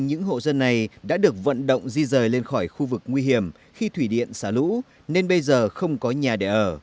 những hộ dân này đã được vận động di rời lên khỏi khu vực nguy hiểm khi thủy điện xả lũ nên bây giờ không có nhà để ở